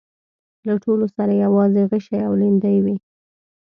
له ټولو سره يواځې غشي او ليندۍ وې.